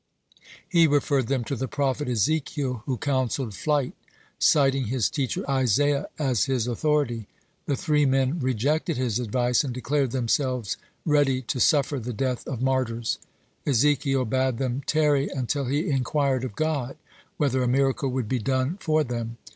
He referred them to the prophet Ezekiel, who counselled flight, citing his teacher Isaiah as his authority. The three men rejected his advice, and declared themselves ready to suffer the death of martyrs. Ezekiel bade them tarry until he inquired of God, whether a miracle would be done for them.